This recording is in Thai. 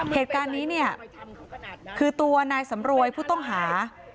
เหตุการณ์นี้เนี่ยคือตัวนายสำรวยผู้ต้องหา